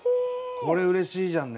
これうれしいじゃんね！